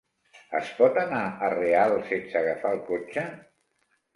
Es pot anar a Real sense agafar el cotxe?